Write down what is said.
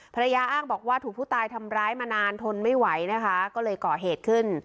อ้างบอกว่าถูกผู้ตายทำร้ายมานานทนไม่ไหวนะคะก็เลยก่อเหตุขึ้น